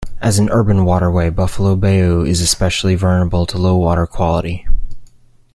As an urban waterway, Buffalo Bayou is especially vulnerable to low water quality.